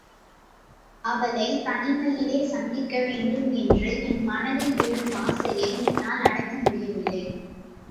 அவளைத் தனிமையிலே சந்திக்க வேண்டும் என்று என் மனத்தில் எழும் ஆசையை என்னால் அடக்க முடியவில்லை.